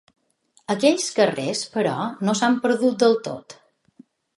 Aquells carrers, però, no s’han perdut del tot.